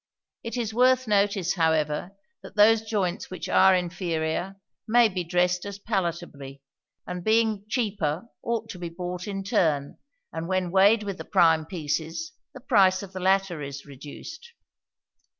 It is worth notice, however, that those joints which are inferior may be dressed as palatably, and being cheaper ought to be bought in turn; and when weighed with the prime pieces, the price of the latter is reduced.